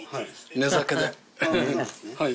はい。